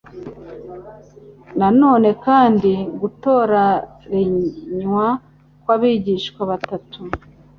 Na none kandi gutorariywa kw'abigishwa batatu